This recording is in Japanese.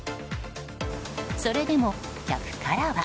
それでも客からは。